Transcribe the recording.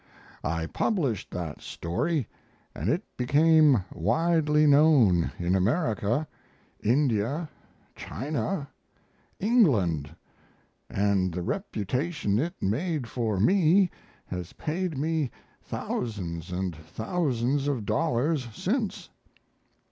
I published that story, and it became widely known in America, India, China, England, and the reputation it made for me has paid me thousands and thousands of dollars since.